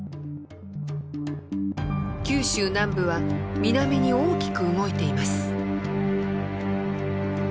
九州南部は南に大きく動いています。